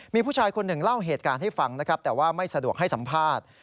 มีผู้ชายคนหนึ่งเล่าเหตุการณ์ให้ฟังนะครับแต่ว่าไม่สะดวกให้สัมภาษณ์